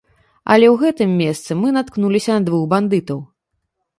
Але ў гэтым месцы мы наткнуліся на двух бандытаў.